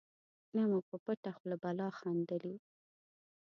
نه مو په پټه خوله بله خندلي.